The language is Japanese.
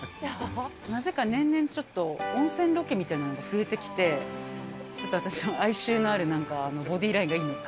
なぜか年々ちょっと温泉ロケみたいのが増えてきて、ちょっと私、哀愁のあるなんか、ボディーラインがいいのか。